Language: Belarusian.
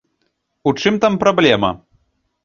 У чым там праблема?